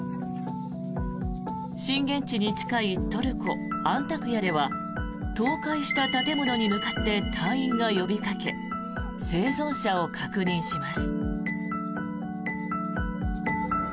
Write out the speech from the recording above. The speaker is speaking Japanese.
震源地に近いトルコ・アンタクヤでは倒壊した建物に向かって隊員が呼びかけ生存者を確認します。